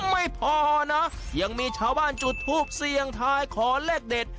ไม่พอนะยังมีชาวบ้านจุดทูปเสี่ยงทายขอเลขเด็ด